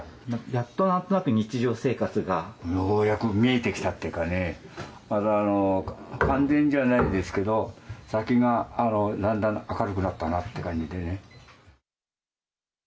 やっとなんとなく日常生活がようやく見えてきたというかねまだ、完全じゃないですけど先がだんだん明るくなったなっていう感じでね。